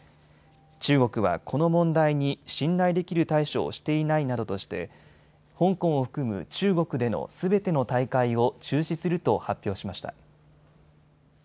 中国はこの問題に信頼できる対処をしていないなどとして香港を含む中国でのすべての大会を中止すると発表しました。